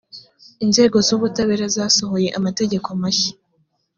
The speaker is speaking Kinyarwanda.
inzego z’ubutabera zasohoye amategeko mashya